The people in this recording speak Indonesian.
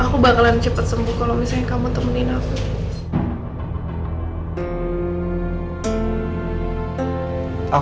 aku bakalan cepet sembuh kalau misalnya kamu temenin aku